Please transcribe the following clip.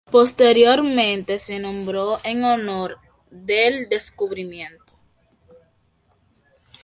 Posteriormente, se nombró en honor del descubridor.